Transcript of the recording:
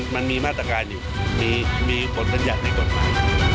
มันมีมาตรการอยู่มีบทบัญญัติในกฎหมาย